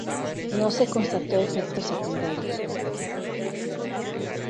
No se constató efectos secundarios.